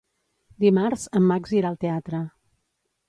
Dimarts en Max irà al teatre.